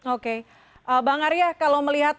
oke bang arya kalau melihat